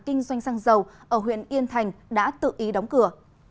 kinh doanh xăng dầu ở huyện yên thành đã tự ý đóng cửa